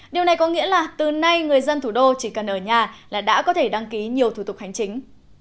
điều này có nghĩa là từ nay người dân thủ đô chỉ cần ở nhà là đã có thể đăng ký nhiều thủ tục hành chính